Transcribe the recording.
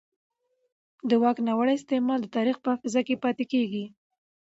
د واک ناوړه استعمال د تاریخ په حافظه کې پاتې کېږي